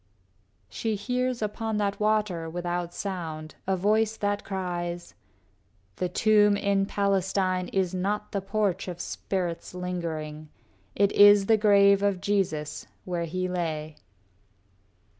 VIII She hears, upon that water without sound, A voice that cries, "The tomb in Palestine Is not the porch of spirits lingering. It is the grave of Jesus, where he lay."